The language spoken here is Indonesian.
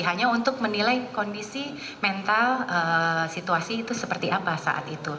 hanya untuk menilai kondisi mental situasi itu seperti apa saat itu